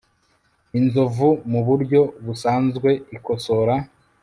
Inzovu muburyo busanzwe ikosora